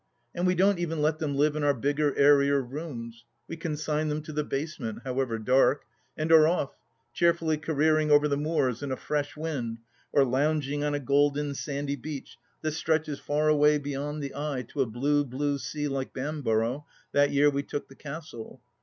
And we don't even let them live in our bigger airier rooms ; we consign them to the basement, however dark, and are off, cheerfully careering over the moors in a fresh wind or lounging on a golden sandy beach that stretches far away beyond the eye to a blue, blue sea like Bamborough, that year we took the Castle.